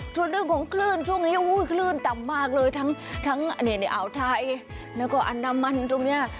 ส่วนเรื่องของคลื่นช่วงนี้คลื่นต่ำมากเลยทั้งอ่าวไทยแล้วก็อันดามันตรงนี้